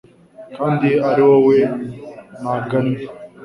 Kandi ari wowe nagannye